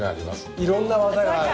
いろんな技がある。